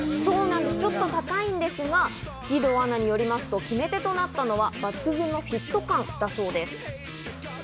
ちょっと高いんですが、義堂アナによりますと、決め手となったのは抜群のフィット感だそうです。